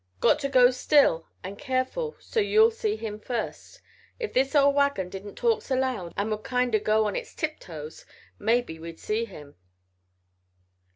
"Got to go still and careful so you'll see him first. If this old wagon didn't talk so loud and would kind o' go on its tiptoes maybe we'd see him.